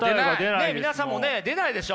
皆さんも出ないでしょ？